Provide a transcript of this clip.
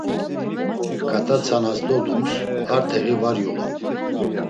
Ǩat̆a tzanas dodums ar teği var yulun.